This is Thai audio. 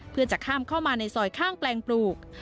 เพื่อจะข้ามเข้ามาในซอยข้างแปลงปลูก